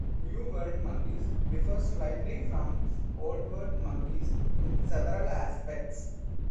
New World monkeys differ slightly from Old World monkeys in several aspects.